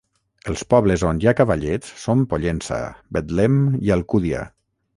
Els pobles on hi ha cavallets són Pollença, Betlem i Alcúdia.